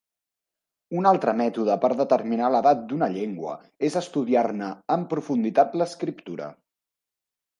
Un altre mètode per determinar l'edat d'una llengua és estudiar-ne en profunditat l'escriptura.